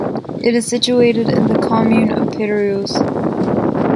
It is situated in the commune of Pérouse.